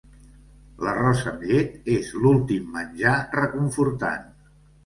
L'arròs amb llet és l'últim menjar reconfortant.